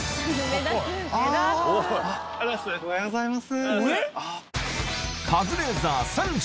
おはようございます。